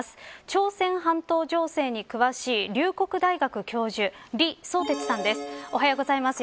朝鮮半島情勢に詳しい龍谷大学教授おはようございます。